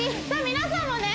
皆さんもね